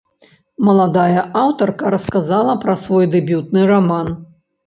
Маладая аўтарка расказала пра свой дэбютны раман.